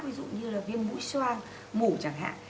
ví dụ như là viêm mũi xoang mủ chẳng hạn